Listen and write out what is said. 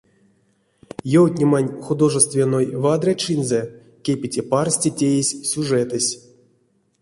Евтнеманть художественной вадрячинзэ кепети парсте теезь сюжетэсь.